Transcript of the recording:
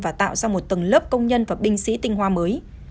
và tạo ra một tầng lớp công nhân và binh sĩ tinh hoa mới